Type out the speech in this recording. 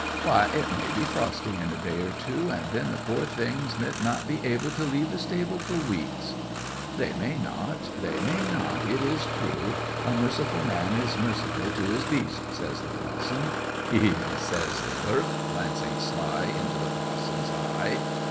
Why, it may be frosty in a day or two, and then the poor things mid not be able to leave the stable for weeks." '"They may not, they may not, it is true. A merciful man is merciful to his beast," says the pa'son. '"Hee, hee!" says the clerk, glancing sly into the pa'son's eye.